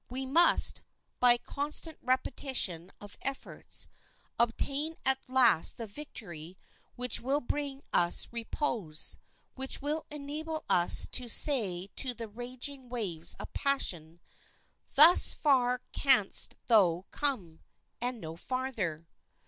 We must, by constant repetition of efforts, obtain at last the victory which will bring us repose, which will enable us to say to the raging waves of passion, "Thus far canst thou come, and no farther."